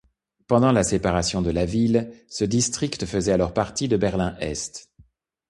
Pendant la séparation de la ville, ce district faisait alors partie de Berlin-Est.